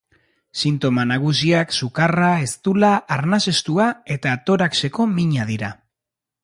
Sintoma nagusiak sukarra, eztula, arnasestua eta toraxeko mina dira.